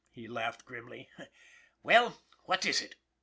he laughed grimly. "Well, what is it?"